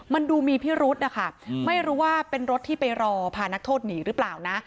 มันดูมีพิรุธนะคะไม่รู้ว่าเป็นรถที่ไปรอพานักโทษหนีหรือเปล่านะ